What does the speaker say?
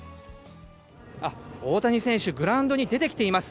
大谷選手、グラウンドに出てきています。